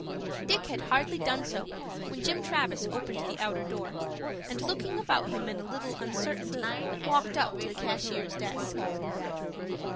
Dick had hardly done so when Jim Travis opened the outer door, and, looking about him in a little uncertainty, walked up to the cashier's desk.